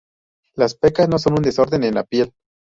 Las pecas no son un desorden en la piel.